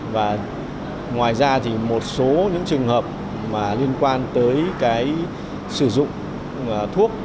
và ngoài ra thì một số những trường hợp mà liên quan tới cái sử dụng thuốc